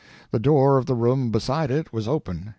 The door of the room beside it was open.